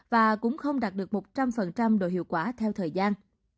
và cũng không đạt được một trăm linh độ hiệu quả theo thời gian